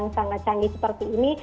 dan sangat canggih seperti ini